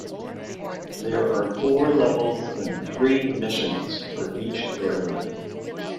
There are four levels and three missions for each area.